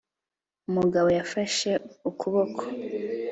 umugabo yafashe ukuboko